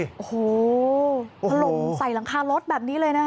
โอ้โหถล่มใส่หลังคารถแบบนี้เลยนะคะ